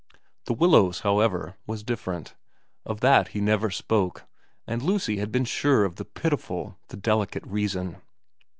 The Willows, however, was different. Of that he never spoke, and Lucy had been sure of the pitiful, the delicate reason.